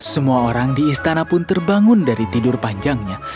semua orang di istana pun terbangun dari tidur panjangnya